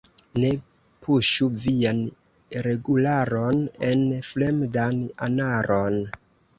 Ne puŝu vian regularon en fremdan anaron.